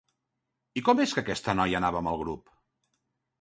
I com és que aquesta noia anava amb el grup?